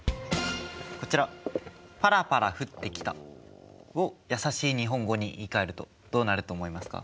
こちら。をやさしい日本語に言いかえるとどうなると思いますか？